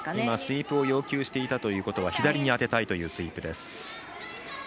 今、スイープを要求していたということは左に当てたいというスイープ。